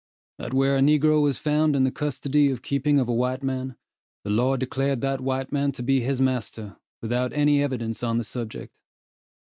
That where a negro was found in the custody or keeping of a white man, the law declared that white man to be his master, without any evidence on the subject.